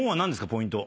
ポイント。